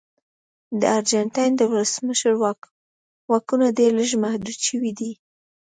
د ارجنټاین د ولسمشر واکونه ډېر لږ محدود شوي دي.